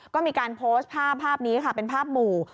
ก็มีการโพสต์ภาพนี้เป็นภาพหมู่